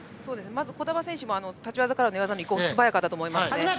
児玉選手も立ち技から寝技の移行がすばらしかったと思います。